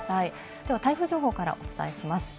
では台風情報からお伝えします。